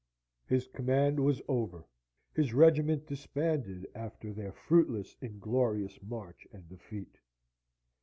His command was over: his regiment disbanded after the fruitless, inglorious march and defeat.